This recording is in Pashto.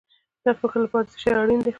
د فکر لپاره څه شی اړین دی؟